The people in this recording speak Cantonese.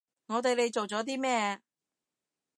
我對你做咗啲咩？